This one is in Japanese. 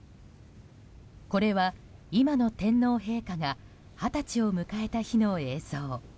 これは今の天皇陛下が二十歳を迎えた日の映像。